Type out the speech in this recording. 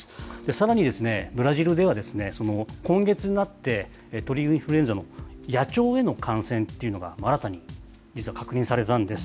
さらにですね、ブラジルではですね、今月になって、鳥インフルエンザの野鳥への感染っていうのが新たに実は確認されたんです。